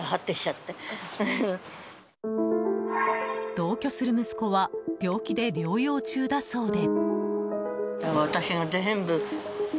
同居する息子は病気で療養中だそうで。